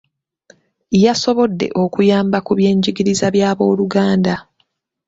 Yasoboddde okuyamba ku by'enjigiriza bya b'oluganda .